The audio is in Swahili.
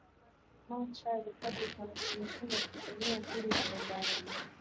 ma cha republican kimeshinda viti mia mbili arobaini